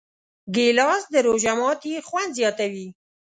ګیلاس د روژه ماتي خوند زیاتوي.